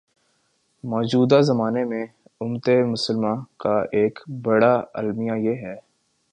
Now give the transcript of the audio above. موجودہ زمانے میں امتِ مسلمہ کا ایک بڑا المیہ یہ ہے